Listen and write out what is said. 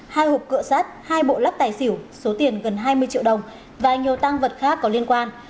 hai hộp cửa sắt hai bộ lắc tài xỉu số tiền gần hai mươi triệu đồng và nhiều tăng vật khác có liên quan